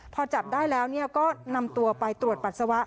พอจับได้แล้วก็นำตัวไปตรวจปัสสาวะ